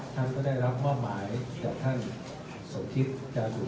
ซึ่งก็ได้ทำการยืนเรียนเรียกมากแล้วเมื่อเช้านี้ครับ